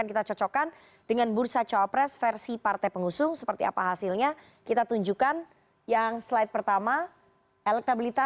slide selanjutnya kita lihat